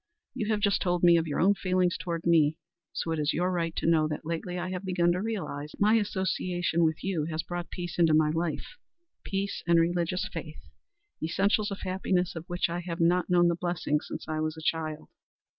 You have just told me of your own feelings toward me, so it is your right to know that lately I have begun to realize that my association with you has brought peace into my life peace and religious faith essentials of happiness of which I have not known the blessings since I was a child.